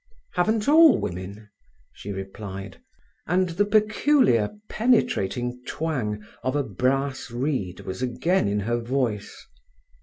"Haven't all women?" she replied, and the peculiar penetrating twang of a brass reed was again in her voice.